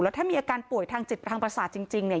แล้วถ้ามีอาการป่วยทางจิตทางภรรษาจริงนี่